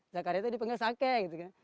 zakaria itu dipanggil sake gitu kan